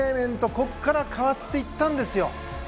ここから変わっていったんですよ。